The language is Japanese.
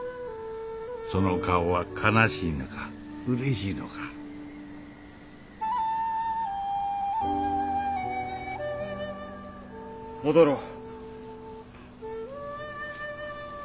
その顔は悲しいのかうれしいのか戻ろう。